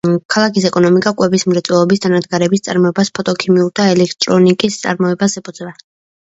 ქალაქის ეკონომიკა კვების მრეწველობის დანადგარების წარმოებას, ფოტოქიმიურ და ელექტრონიკის წარმოებას ეფუძნება.